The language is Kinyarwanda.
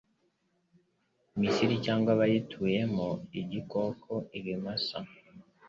Misiri cyangwa abayituyemo igikoko ibimasa